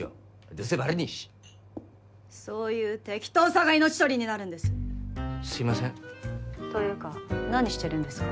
どうせバレねえしそういう適当さが命取りになるんですすいませんというか何してるんですか？